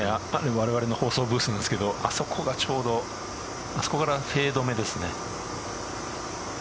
われわれの放送ブースなんですけどあそこがちょうどフェードめですね。